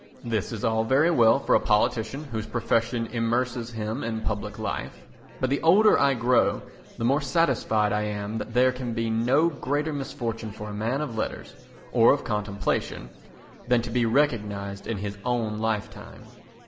This is all very well for a politician whose profession immerses him in public life, but the older I grow the more satisfied I am that there can be no greater misfortune for a man of letters or of contemplation than to be recognised in his own lifetime.